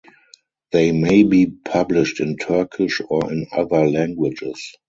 They may be published in Turkish or in other languages.